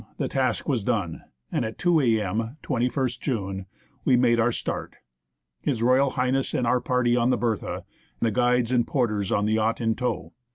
the task was done, and at 2 a.m. (21st June) we made our start, — H.R. H. and our party on the Bertha, the guides and porters on the yacht in tow.